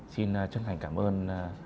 xin chân thành cảm ơn